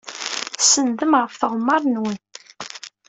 Tsenndem ɣef tɣemmar-nwen.